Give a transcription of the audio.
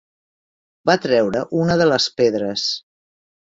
Va treure una de les pedres.